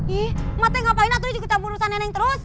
ih emaknya ngapain aturin cekutan purusan nenek terus